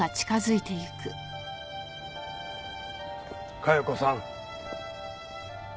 加代子さん。